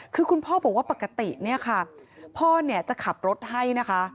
คือคุณพ่อบอกว่าปกติพ่อจะขับรถให้นะคะ